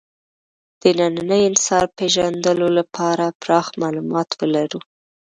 د ننني انسان پېژندلو لپاره پراخ معلومات ولرو.